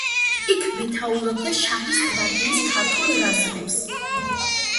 იქ მეთაურობდა შაჰის გვარდიის ქართულ რაზმებს.